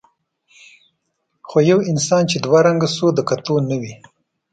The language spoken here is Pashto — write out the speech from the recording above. خو یو انسان چې دوه رنګه شو د کتو نه وي.